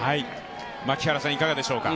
槙原さん、いかがでしょうか？